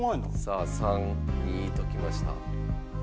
さあ３２ときました。